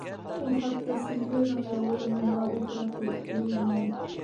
Ул хатта Сильверҙың яурынында ултыра кеүек тойолдо миңә.